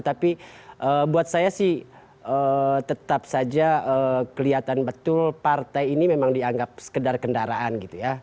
tapi buat saya sih tetap saja kelihatan betul partai ini memang dianggap sekedar kendaraan gitu ya